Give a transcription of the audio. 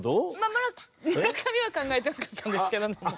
まあ村上は考えてなかったんですけど。